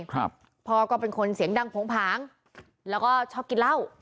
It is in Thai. ครับพ่อก็เป็นคนเสียงดังโผงผางแล้วก็ชอบกินเหล้า